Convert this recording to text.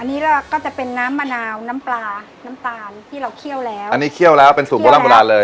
อันนี้เราก็จะเป็นน้ำมะนาวน้ำปลาน้ำตาลที่เราเคี่ยวแล้วอันนี้เคี่ยวแล้วเป็นสูตรโบราณโบราณเลย